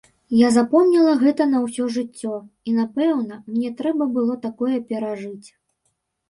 Я запомніла гэта на ўсё жыццё, і, напэўна, мне трэба было такое перажыць.